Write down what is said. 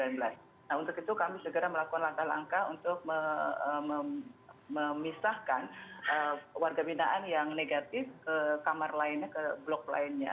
nah untuk itu kami segera melakukan langkah langkah untuk memisahkan warga binaan yang negatif ke kamar lainnya ke blok lainnya